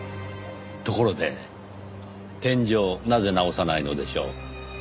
ところで天井なぜ直さないのでしょう？